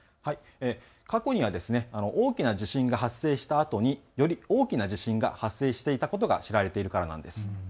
過去には大きな地震が発生したあとに大きな地震が発生したことが知られているからなんです。